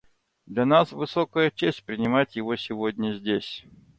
Для нас высокая честь принимать его сегодня здесь.